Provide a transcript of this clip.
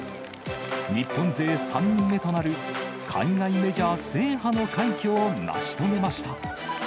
日本勢３人目となる海外メジャー制覇の快挙を成し遂げました。